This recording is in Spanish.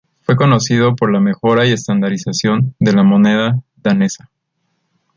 Fue conocido por la mejora y estandarización de la moneda danesa.